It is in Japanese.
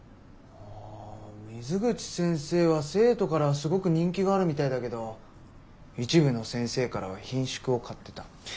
あ水口先生は生徒からすごく人気があるみたいだけど一部の先生からはひんしゅくを買ってた。